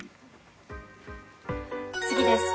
次です。